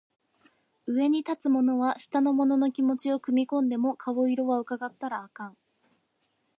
上に立つ者は下の者の気持ちは汲んでも顔色は窺ったらあかん